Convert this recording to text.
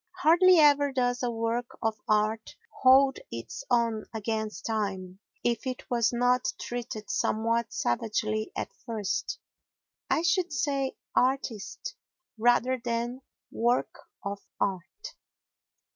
Hardly ever does a work of art hold its own against time if it was not treated somewhat savagely at first—I should say "artist" rather than "work of art."